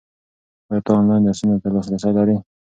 ایا ته آنلاین درسونو ته لاسرسی لرې؟